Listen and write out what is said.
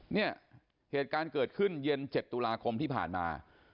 เนี่ยเหตุการณ์เกิดขึ้นเย็น๗ตุลาคมที่ผ่านมา